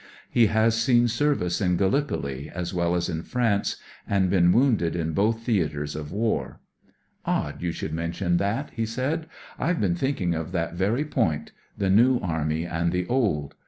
He has seen service in Gallipoli, as well as in France, and been wounded in both theatres of war. " Odd you should mention that," he said. " I've been thinking of that very point : the New Army and the Old.